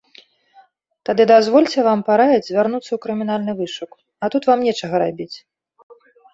Тады дазвольце вам параіць звярнуцца ў крымінальны вышук, а тут вам нечага рабіць.